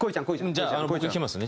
じゃあ僕弾きますね。